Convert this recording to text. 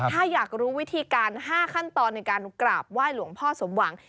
ถ้าอยากรู้วิธีการ๕ขั้นตอนในการกราบไหว้หลวงพ่อสมหวัง